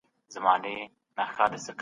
که ماشوم غلطۍ وکړي دا تعليم ته لار هواروي.